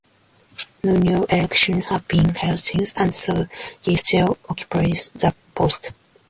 No new elections have been held since, and so he still occupies the post.